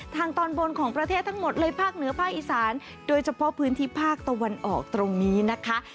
ทางตอนบนของประเทศทั้งหมดเลยภาคเหนือภาคอีสานโดยเฉพาะพื้นที่ภาคตะวันออกตรงนี้นะคะ